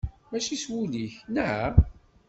Mačči s wul-ik, neɣ?